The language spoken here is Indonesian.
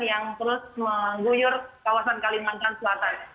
yang terus mengguyur kawasan kalimantan selatan